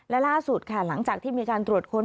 และล่าสุดค่ะหลังจากที่มีการตรวจค้น